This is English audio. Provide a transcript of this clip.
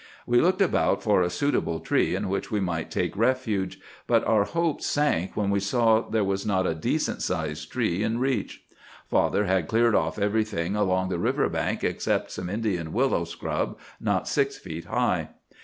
We looked about for a suitable tree in which we might take refuge, but our hopes sank when we saw there was not a decent sized tree in reach. Father had cleared off everything along the river bank except some Indian willow scrub not six feet high.